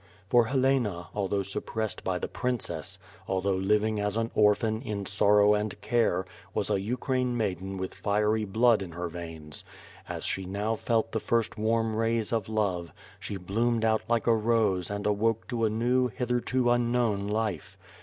For Helena, although sup pressed by the princess, although living as an orphan, in sorrow and care, was a Ukraine maiden with fiery blood in her veins. As she now felt the first warm rays of love, she bloomed out like a rose and awoke to a new, hitherto un known life.